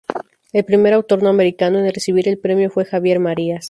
El primer autor no americano en recibir el premio fue Javier Marías.